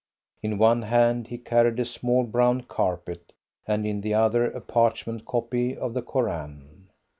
In one hand he carried a small brown carpet, and in the other a parchment copy of the Koran.